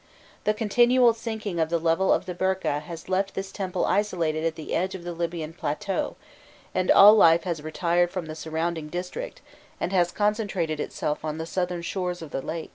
The continual sinking of the level of the Birkeh has left this temple isolated on the edge of the Libyan plateau, and all life has retired from the surrounding district, and has concentrated itself on the southern shores of the lake.